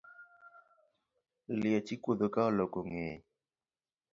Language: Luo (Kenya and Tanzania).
Liech ikuodho ka oloko ngeye